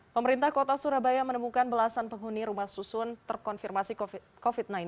pemerintah kota surabaya menemukan belasan penghuni rumah susun terkonfirmasi covid sembilan belas